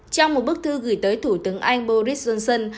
trong một bức thư gửi tới thủ tướng anh boris johnson